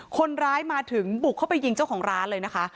คนร้ายมาถึงบุกเข้าไปยิงเจ้าของร้านเลยนะคะ